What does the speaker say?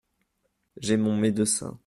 J’ai mon médecin.